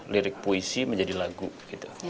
lirik puisi menjadi lagu gitu